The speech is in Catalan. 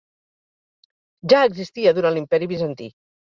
Ja existia durant l'Imperi bizantí.